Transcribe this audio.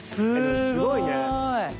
すごーい！